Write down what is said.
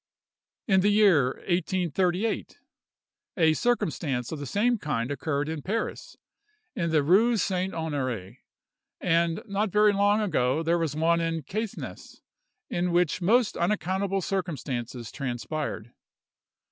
In the year 1838, a circumstance of the same kind occurred in Paris, in the Rue St. Honoré; and not very long ago there was one in Caithness, in which most unaccountable circumstances transpired.